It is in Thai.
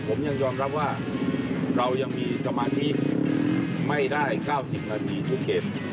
ผมยังยอมรับว่าเรายังมีสมาธิไม่ได้๙๐นาทีทุกเกม